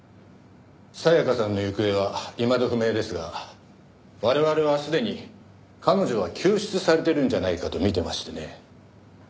沙也加さんの行方はいまだ不明ですが我々はすでに彼女は救出されてるんじゃないかと見てましてね。